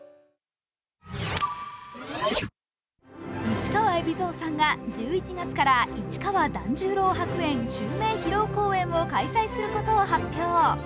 市川海老蔵さんが１１月から市川團十郎白猿襲名披露公演を開催することを発表。